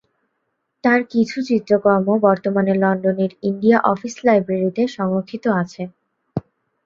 তাঁর কিছু চিত্রকর্ম বর্তমানে লন্ডনের ইন্ডিয়া অফিস লাইব্রেরিতে সংরক্ষিত আছে।